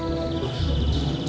jangan lupa ya